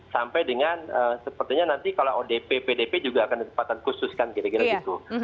sampai dengan sepertinya nanti kalau odp pdp juga akan ditempatan khusus kan kira kira gitu